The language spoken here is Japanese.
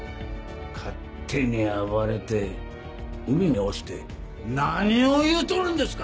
勝手に暴れて海に落ちて何を言うとるんですか！